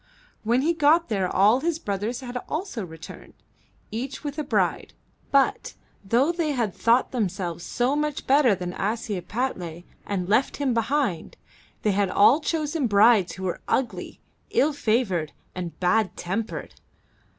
When he got there all his brothers had also returned, each with a bride, but, though they had thought themselves so much better than Ashiepattle and left him behind, they had all chosen brides who were ugly, ill favored, and bad tempered.